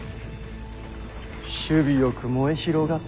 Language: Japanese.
首尾よく燃え広がったのう。